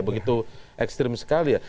begitu ekstrem sekali ya